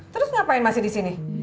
terus ngapain masih disini